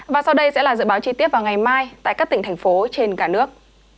và sau đây sẽ là dự báo chi tiết vào ngày mai tại các tỉnh thành phố trên cả nước